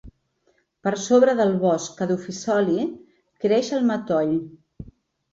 Per sobre del bosc caducifoli creix el matoll.